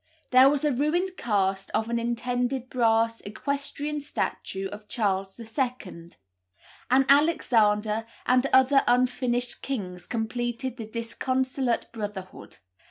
There was a ruined cast of an intended brass equestrian statue of Charles II.: an Alexander and other unfinished kings completed the disconsolate brotherhood.